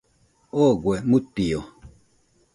Ogoe mutio